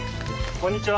こんにちは。